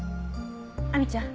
亜美ちゃん